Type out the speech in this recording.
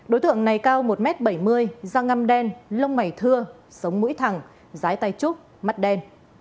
đối tượng này cao một m bảy mươi da ngâm đen lông mẩy thưa sống mũi thẳng rái tay trúc mắt đen